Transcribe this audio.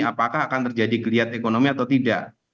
apakah akan terjadi kelihatan ekonomi atau tidak